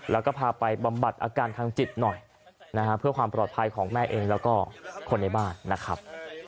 แล้วก็พาไปบำบัดอาการทางจิตหน่อยนะฮะเพื่อความปลอดภัยของแม่เองแล้วก็คนในบ้านนะครับ